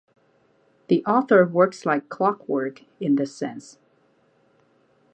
The author works like clockwork in this sense.